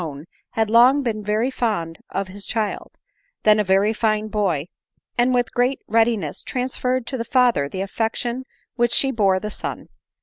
own, had long been very fond of bis child, then a very fine boy, and with great readiness transferred to the father the affection which she bore the son.